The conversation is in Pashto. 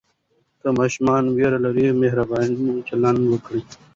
که ماشوم ویره لري، مهربانه چلند وکړئ.